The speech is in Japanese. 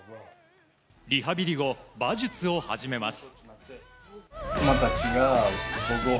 リハビリ後、馬術を始めます。